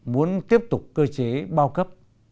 muốn tiếp tục cơ chế bao cấp